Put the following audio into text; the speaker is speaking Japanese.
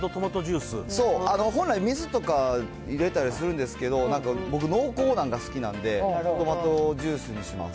本来、水とか入れたりするんですけど、なんか僕、濃厚なんが好きなんで、トマトジュースにします。